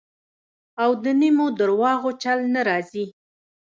او د نیمو درواغو چل نه راځي.